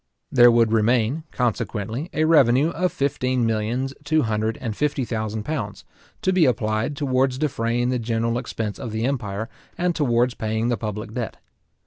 There would remain, consequently, a revenue of fifteen millions two hundred and fifty thousand pounds, to be applied towards defraying the general expense of the empire, and towards paying the public debt.